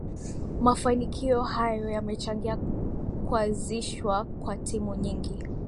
Mafanikio hayo yamechangia kuazishwa kwa timu nyingi